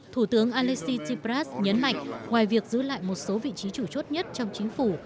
thủ tướng alexy tipras nhấn mạnh ngoài việc giữ lại một số vị trí chủ chốt nhất trong chính phủ